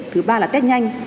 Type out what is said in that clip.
thứ ba là test nhanh